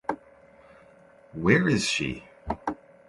Where is she?